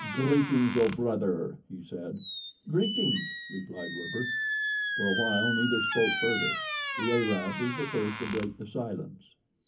"Greetings, O Brother!" he said. "Greetings!" replied Werper. For a while neither spoke further. The Arab was the first to break the silence.